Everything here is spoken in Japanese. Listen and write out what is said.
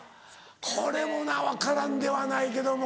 これもな分からんではないけども。